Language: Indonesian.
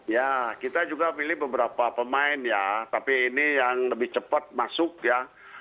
ya kita juga milih beberapa pemain ya tapi ini yang lebih cepat masuk ya